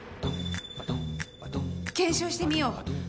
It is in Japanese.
検証してみよう。